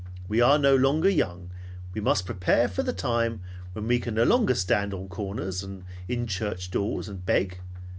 We are no longer young. We must prepare for the time when we can no longer stand on corners and in church doors and beg.